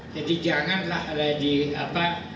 jadi janganlah lagi apa